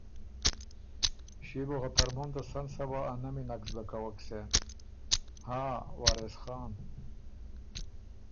ݭيې بو خه ترمُن ته سن صبا ا نمی نک زدۀ کوک سېن، هاں وارث خان“